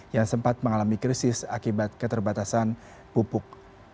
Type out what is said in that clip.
yang sempat mengalami krisis akibat keterbatasan pupuk